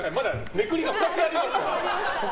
めくりが２つありますからね。